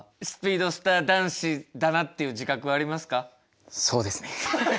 スピードスター男子だなっていう自覚はありますか？